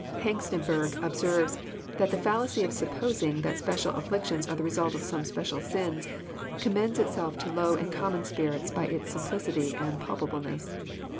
Hengstenberg observes that the follacy of supposing that special afflictions are the result of some special sins, " com mends itself to low and common spirits by its simplicity and psdpableness.